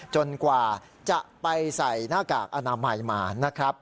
กว่าจะไปใส่หน้ากากอนามัยมานะครับ